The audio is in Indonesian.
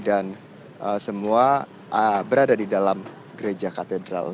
dan semua berada di dalam gereja katedral